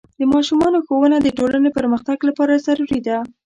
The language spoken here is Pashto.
د ماشومانو ښوونه د ټولنې پرمختګ لپاره ضروري ده.